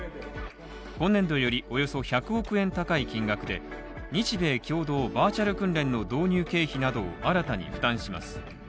今年度よりおよそ１００億円高い金額で日米共同バーチャル訓練の導入経費などを新たに負担します。